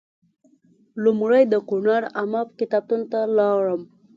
لومړی د کونړ عامه کتابتون ته لاړم.